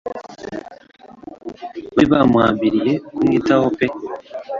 Bari bamuhambiriye kumwitaho pe